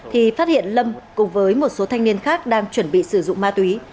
thì phát hiện lâm cùng với một số thanh niên khác đang chuẩn bị sử dụng ma túy